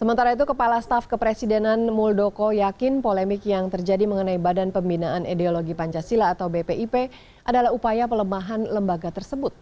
sementara itu kepala staf kepresidenan muldoko yakin polemik yang terjadi mengenai badan pembinaan ideologi pancasila atau bpip adalah upaya pelemahan lembaga tersebut